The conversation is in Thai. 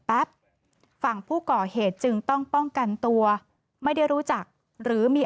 ฝั่งผู้ก่อเหตุจึงต้องป้องกันตัวไม่ได้รู้จักหรือมี